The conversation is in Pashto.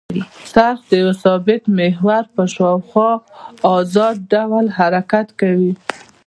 څرخ د یوه ثابت محور په شاوخوا ازاد ډول حرکت کوي.